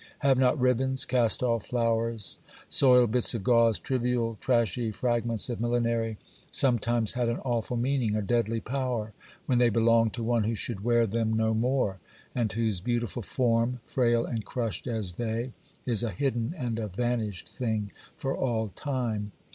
Have not ribbons, cast off flowers, soiled bits of gauze, trivial, trashy fragments of millinery, sometimes had an awful meaning, a deadly power, when they belonged to one who should wear them no more, and whose beautiful form, frail and crushed as they, is a hidden and a vanished thing for all time?